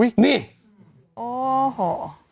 อุ๊ยนี่โอ้โห